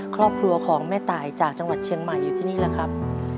ครอบครัวของแม่ตายจากจังหวัดเชียงใหม่อยู่ที่นี่แหละครับ